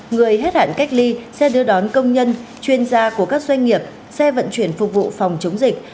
người hết hạn cách ly xe đưa đón công nhân chuyên gia của các doanh nghiệp xe vận chuyển phục vụ phòng chống dịch